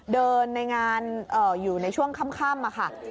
เดินในงานอยู่ในช่วงค่ำมาค่ะ